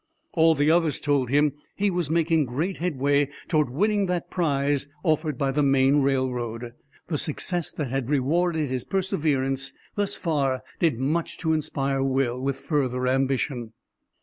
All the others told him he was making great headway toward winning that prize offered by the Maine railroad. The success that had rewarded his perseverance thus far did much to inspire Will with further ambition.